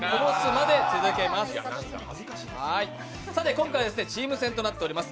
今回はチーム戦となっております。